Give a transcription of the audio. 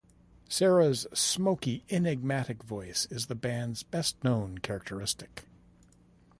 Sarah's smoky, enigmatic voice is the band's best known characteristic.